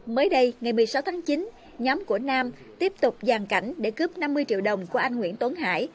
mới đây ngày một mươi sáu tháng chín nhóm của nam tiếp tục giàn cảnh để cướp năm mươi triệu đồng của anh nguyễn tuấn hải